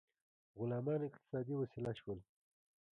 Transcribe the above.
غلامان اقتصادي وسیله شول.